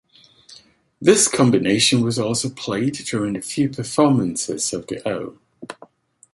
This combination was also played during a few performances of the Oh!